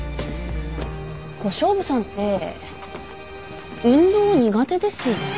小勝負さんって運動苦手ですよね？